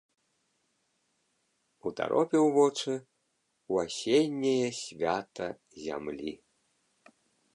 Утаропіў вочы ў асенняе свята зямлі.